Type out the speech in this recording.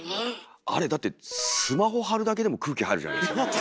あれだってスマホ貼るだけでも空気入るじゃないですか。